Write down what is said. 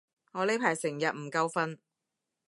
我呢排成日唔夠瞓